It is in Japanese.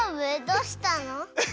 どうしたの？